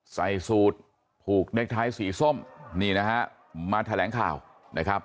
ใส่สูตรผูกเน็กไทยสีส้มนี่นะฮะมาแถลงข่าวนะครับ